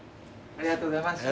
ありがとうございます。